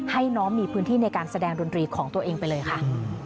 ให้น้องมีพื้นที่ในการแสดงดนตรีของตัวเองไปเลยค่ะ